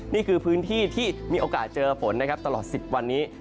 นี่คือพื้นที่ที่มีโอกาสเจอฝนนะครับตลอด๑๐วันนี้